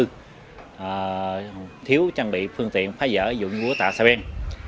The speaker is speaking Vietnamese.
thứ ba là thiếu trang bị phương tiện phá dỡ dụng của tạ xa bên